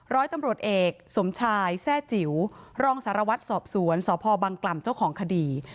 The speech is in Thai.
ร้อยตำรวจเอกสมชายแทร่จิ๋วรองสารวัตรสอบสวนสพบังกล่ำเจ้าของคดี